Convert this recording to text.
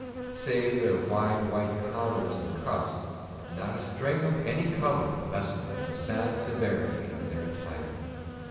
Save their wide white collars and cuffs, not a string of any colour lessened the sad severity of their attire.